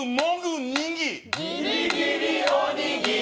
「にぎ」ギリギリおにぎり。」